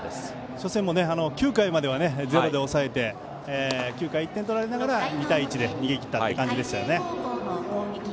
初戦も９回まではゼロで抑えて９回１点取られながら２対１位で逃げ切りましたね。